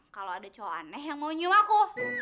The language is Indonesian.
kalau ada cowok aneh yang mau nyium aku